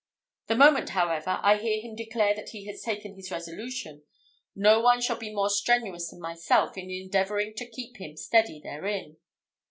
The moment, however, I hear him declare that he has taken his resolution, no one shall be more strenuous than myself in endeavouring to keep him steady therein.